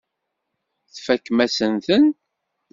Tfakem-asent-ten.